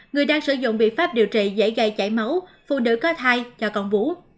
người đang sử dụng biện pháp điều trị dễ gây chảy máu phụ nữ có thai cho con vú